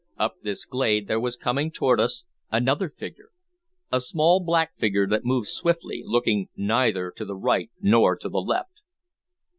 Up this glade there was coming toward us another figure, a small black figure that moved swiftly, looking neither to the right nor to the left.